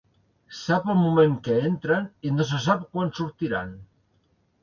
Sap el moment que entren i no se sap quan sortiran.